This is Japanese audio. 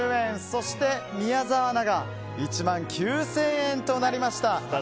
そして、宮澤アナが１万９０００円となりました。